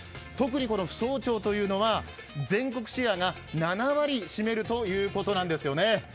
特にこの扶桑町というのは全国シェアが７割占めるということなんですよね